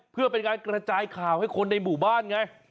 เพื่อเป็นการกระจายข่าวให้คนในหมู่บ้านไง